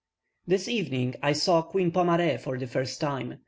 This evening I saw Queen Pomare for the first time.